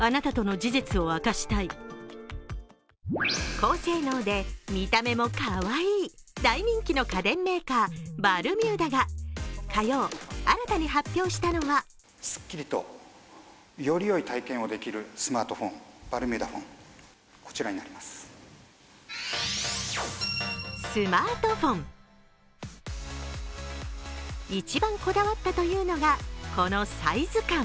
高性能で見た目もかわいい大人気の家電メーカー、バルミューダが火曜、新たに発表したのは一番こだわったというのが、このサイズ感。